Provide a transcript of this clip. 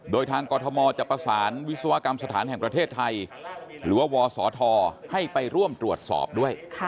โดยทางกรทมจะประสานวิศวกรรมสถานแห่งประเทศไทยหรือว่าวศธให้ไปร่วมตรวจสอบด้วย